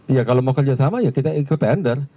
iya kalau mau kerjasama ya kita ikut tender